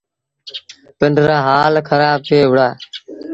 پنڊرآ هآل کرآب ٿئي وُهڙآ۔